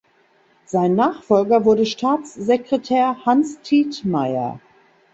Sein Nachfolger wurde Staatssekretär Hans Tietmeyer.